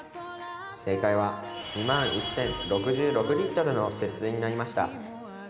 正解は２万１，０６６リットルの節水になりました。